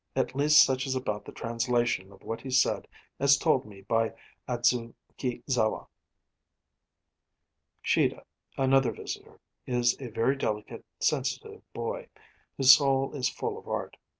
At least such is about the translation of what he said as told me by Adzukizawa. Shida, another visitor, is a very delicate, sensitive boy, whose soul is full of art.